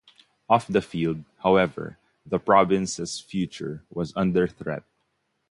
Off the field, however, the province's future was under threat.